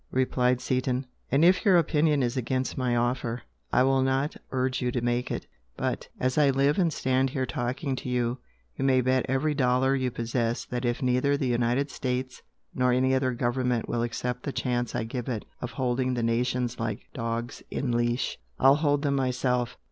replied Seaton "And if your opinion is against my offer, I will not urge you to make it. But as I live and stand here talking to you, you may bet every dollar you possess that if neither the United States nor any other government will accept the chance I give it of holding the nations like dogs in leash, I'll hold them myself!